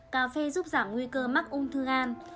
cà phê giúp giảm nguy cơ mắc ung thư gan